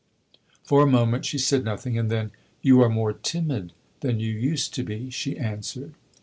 For a moment she said nothing, and then "You are more timid than you used to be!" she answered.